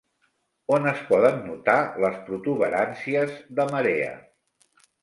On es poden notar les protuberàncies de marea?